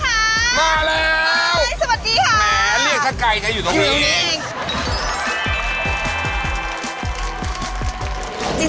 ก๋วยเตี๋ยวคั่วไก่ที่สร้าง